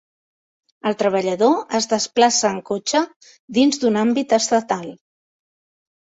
El treballador es desplaça en cotxe dins d'un àmbit estatal.